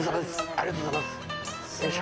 ありがとうございます。